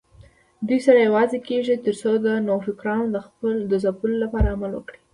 دوی سره یوځای کېږي ترڅو د نوفکرانو د ځپلو لپاره عمل وکړي